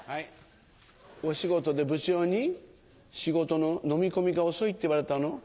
お仕事で部長に仕事ののみ込みが遅いって言われたの？